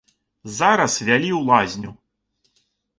Зараз вялі ў лазню.